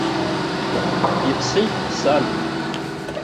Иԥсит, сан!